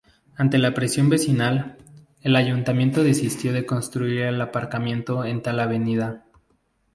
Ante la presión vecinal, el ayuntamiento desistió de construir el aparcamiento en tal avenida.